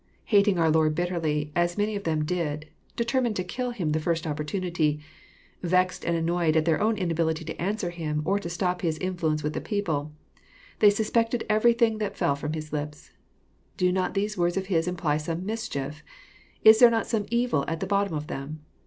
Hating our Lord blttefly, as ^many of them did, — determined to kill Him tihe flrst opportunity, — vexed and annoyed at their own inability to answer Him, or to stop His influence with the people, — ^hey suspected everything that fell from His lips. " Do not these words of his imply some mischief ? Is there not someevil~at the bottom of them